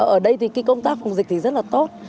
ở đây thì công tác phòng dịch rất là tốt